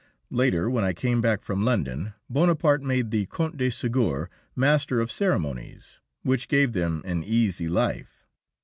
Later, when I came back from London, Bonaparte made the Count de Ségur Master of Ceremonies, which gave them an easy life.